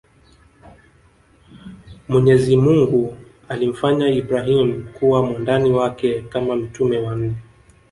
Mwenyezimungu alimfanya Ibrahim kuwa mwandani wake Kama mitume wanne